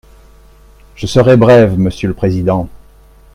Je serai brève, monsieur le président.